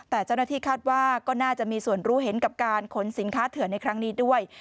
แต่เจ้าหน้าที่คาดว่าก็น่าจะมีส่วนรู้เห็นกับการขนสินค้าเถื่อนในครั้งนี้ด้วย